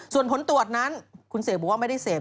ส่วนผลตรวจนั้นคุณเสกบอกว่าไม่ได้เสพ